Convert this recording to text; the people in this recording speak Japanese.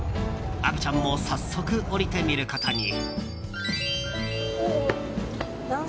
虻ちゃんも早速降りてみることに。